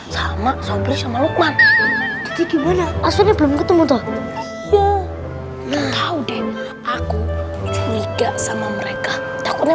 sama sama sama lukman jadi gimana asli belum ketemu tuh tahu deh aku tidak sama mereka takutnya